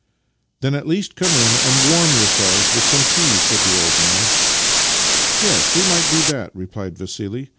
" Then at least come in and warm yourselves with some tea," said the old man. " Yes, we might do that," replied Vassili.